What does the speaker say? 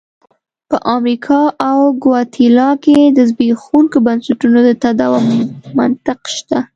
په امریکا او ګواتیلا کې د زبېښونکو بنسټونو د تداوم منطق شته.